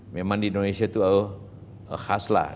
memang di indonesia itu khas lah